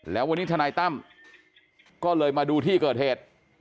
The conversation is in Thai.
แล้ววันนี้ทนายตั้มก็เลยมาดูที่เกิดเหตุ